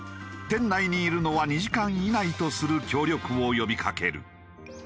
店内にいるのは２時間以内とする協力を呼びかける。